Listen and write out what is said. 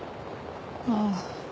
ああ。